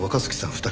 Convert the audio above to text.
２人？